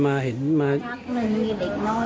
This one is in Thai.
ป้าก็มาใช้กะทดเต็มไม่มีแฟนแล้ว